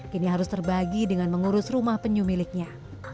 kini harus terbagi dengan mengurus rumah penyu miliknya